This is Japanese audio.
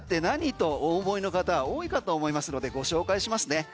とお思いの方が多いかと思いますのでご紹介しますね。